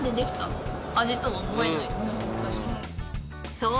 そう！